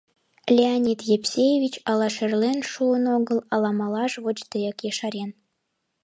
Леонид Епсеевич ала шӧрлен шуын огыл, ала малаш вочдеак ешарен.